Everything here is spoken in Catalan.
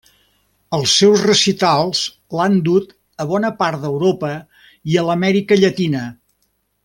Els seus recitals l'han dut a bona part d'Europa i a l'Amèrica Llatina.